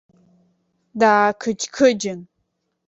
Даақыџь-қыџьын.